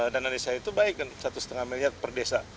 dana desa itu baik satu lima miliar per desa